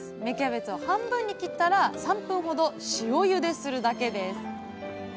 芽キャベツを半分に切ったら３分ほど塩ゆでするだけです！